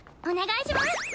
お願いします。